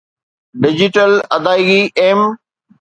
digital ادائيگي M